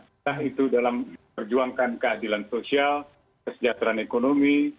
entah itu dalam perjuangkan keadilan sosial kesejahteraan ekonomi